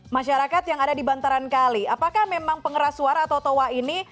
masyarakat yang ada di bantaran kali apakah memang pengeras suara atau toa ini